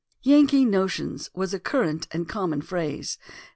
"Yankee notions" was a current and common phrase.